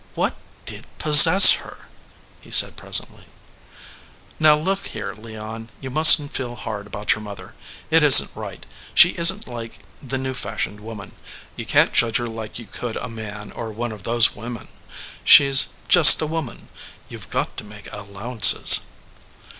"What did possess her?" he said, presently. "Now look here, Leon, you mustn t feel hard about your mother. It isn t right. She isn t like the new fashioned woman. You can t judge her like you could a man or one of those women. She s just a woman. You ve got to make allow ances."